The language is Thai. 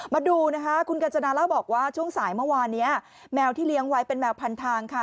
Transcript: มาดูนะคะคุณกัญจนาเล่าบอกว่าช่วงสายเมื่อวานนี้แมวที่เลี้ยงไว้เป็นแมวพันทางค่ะ